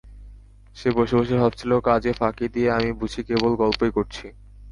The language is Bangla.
সে বসে বসে ভাবছিল কাজে ফাঁকি দিয়ে আমি বুঝি কেবল গল্পই করছি।